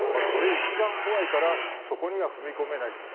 それ一番怖いからそこには踏み込めない。